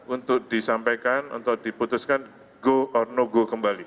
untuk disampaikan untuk diputuskan go or no go kembali